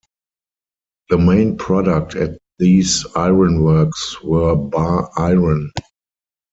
The main product at these ironworks were bar iron.